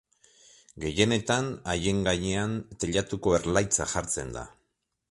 Gehienetan, haien gainean teilatuko erlaitza jartzen da.